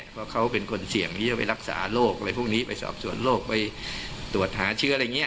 เพราะเขาเป็นคนเสี่ยงที่จะไปรักษาโรคอะไรพวกนี้ไปสอบส่วนโรคไปตรวจหาเชื้ออะไรอย่างนี้